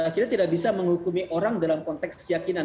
kita tidak bisa menghukumi orang dalam konteks keyakinan